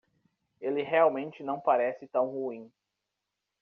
Ele realmente não parece tão ruim.